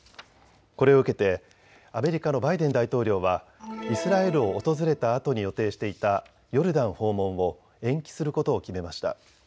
これを受けてアメリカのバイデン大統領はイスラエルを訪れたあとに予定していたヨルダン訪問を延期することを決めました。